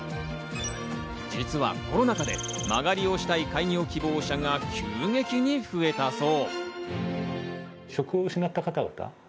実はコロナ禍で間借りをしたい開業希望者が急激に増えたそう。